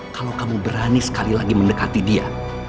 kalau kamu berani sekali lagi mendekati dia